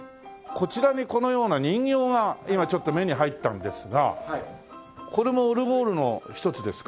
こちらにこのような人形が今ちょっと目に入ったんですがこれもオルゴールの一つですか？